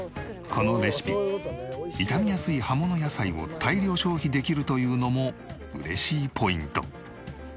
このレシピ傷みやすい葉物野菜を大量消費できるというのも嬉しいポイント。